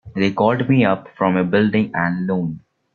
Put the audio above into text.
They called me up from your Building and Loan.